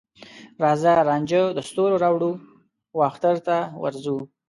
راځې رانجه د ستوروراوړو، واخترته ورځو